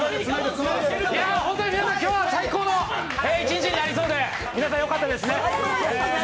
本当に今日は皆さん、最高の一日になりそうで、皆さんよかったですね。